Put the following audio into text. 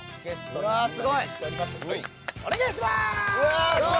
お願いしまーす！